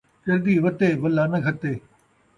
چردی وتے ، ولّا ناں گھتے